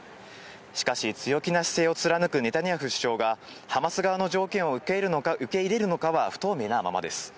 しかし、強気な姿勢を貫くネタニヤフ首相が、ハマス側の条件を受け入れるのかは不透明なままです。